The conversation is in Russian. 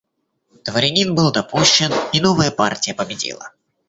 Дворянин был допущен, и новая партия победила.